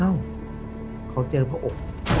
อ้าวเขาเจอพ่ออบ